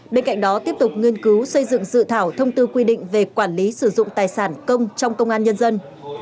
bên cạnh đó tiếp tục nghiên cứu xây dựng dự thảo thông tư quy định về quản lý sử dụng tài sản công trong công an nhân dân